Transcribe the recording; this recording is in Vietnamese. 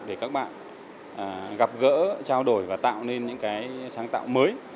để các bạn gặp gỡ trao đổi và tạo nên những cái sáng tạo mới